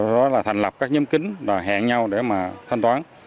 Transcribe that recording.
đó là thành lập các nhóm kính hẹn nhau để mà thanh toán